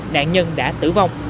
nạn nhân đã tử vong